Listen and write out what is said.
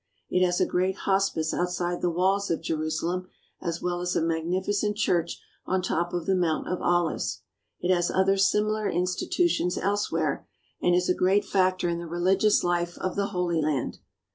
It has a great hospice outside the walls of Jerusalem as well as a magnificent church on top of the Mount of Olives. It has other similar institutions elsewhere, and is a great factor in the religious life of the Holy Land.